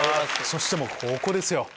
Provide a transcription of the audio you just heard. そしてここですよ！